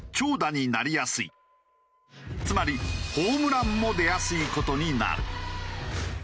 つまりホームランも出やすい事になる。